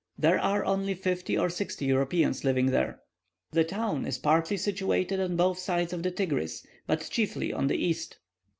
There are only fifty or sixty Europeans living there. The town is partly situated on both sides of the Tigris, but chiefly on the east.